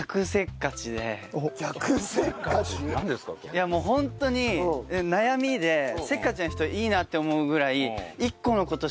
いやもうホントに悩みでせっかちな人いいなって思うぐらいはあ。